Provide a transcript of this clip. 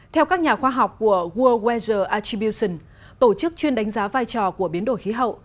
theo các nhà khoa học của world wester atibiution tổ chức chuyên đánh giá vai trò của biến đổi khí hậu